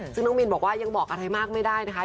ซึ่งน้องมินบอกว่ายังบอกอะไรมากไม่ได้นะคะ